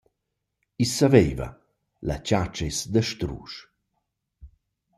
I’s savaiva: La chatsch’es dastrusch.